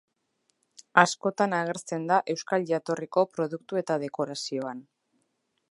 Askotan agertzen da euskal jatorriko produktu eta dekorazioan.